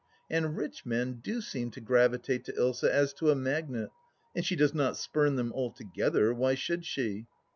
And rich men do seem to gravitate to Ilsa as to a magnet, and she does not spurn them, altogether ; why should she